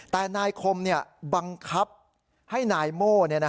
แต่นายคมบังคับให้นายโม่